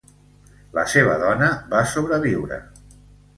La seva dona va sobreviure.